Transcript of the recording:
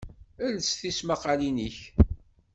Els tismaqalin-inek!